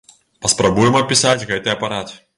Паспрабуем апісаць гэты апарат.